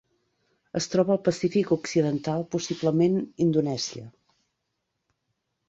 Es troba al Pacífic occidental: possiblement, Indonèsia.